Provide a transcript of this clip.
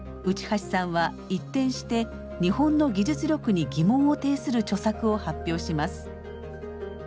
内橋さんは一転して日本の技術力に疑問を呈する著作を発表します。